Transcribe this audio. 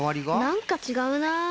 なんかちがうな。